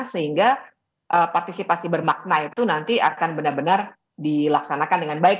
sehingga partisipasi bermakna itu nanti akan benar benar dilaksanakan dengan baik